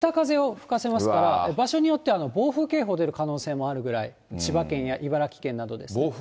ここにこの低気圧が、強い北風を吹かせますから、場所によっては暴風警報出る可能性もあるぐらい、千葉県や茨城県などですね。